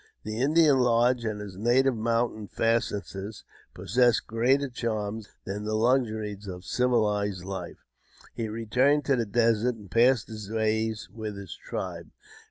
The Indian lodge and his native mountain fastnesses possessed greater charms than the luxuries of civiUzed Ufe. He returned to the desert and passed his days with his tribe.